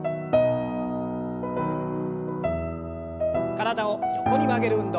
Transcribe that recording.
体を横に曲げる運動。